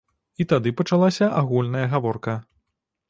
І тады пачалася агульная гаворка.